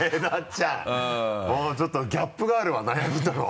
ちょっとギャップがあるわ悩みとの。